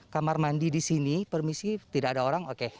kamar mandi di sini permisi tidak ada orang oke